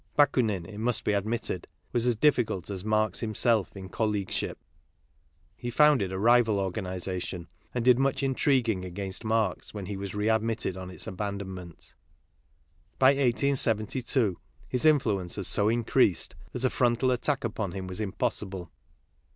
Bakunin, it must be admitted, was as difficult as Marx himself in colleagueship. He founded a rival organization and did much intriguing against Marx when he was readmitted on its abandonment. By 1872 his influence had so increased that a frontal attack upon him was impossible.